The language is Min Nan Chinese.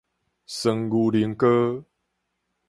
酸牛奶膏